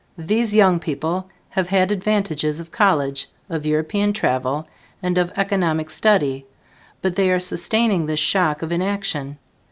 These young people have had advantages of college, of European travel, and of economic study, but they are sustaining this shock of inaction.